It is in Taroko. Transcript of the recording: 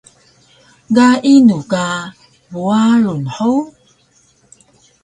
Ga inu ka Buarung hug?